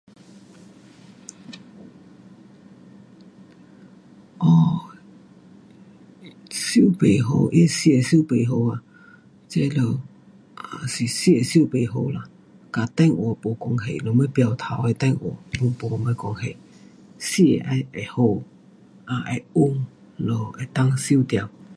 哦，收不好，它的线收不好，这就，是线收不好啦，跟电话没关系，什么标头的电话，没什么关系。线要会好，um 会稳，咯就会收到。